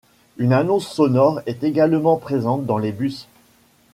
Une annonce sonore est également présente dans les bus.